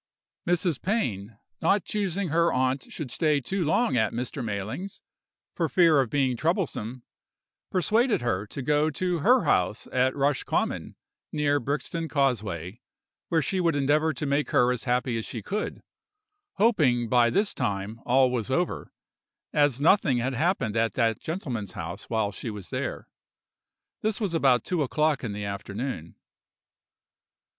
"Mrs. Pain, not choosing her aunt should stay too long at Mr. Mayling's, for fear of being troublesome, persuaded her to go to her house at Rush Common, near Brixton Causeway, where she would endeavor to make her as happy as she could, hoping by this time all was over, as nothing had happened at that gentleman's house while she was there. This was about two o'clock in the afternoon.